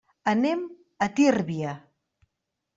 Anem a Tírvia.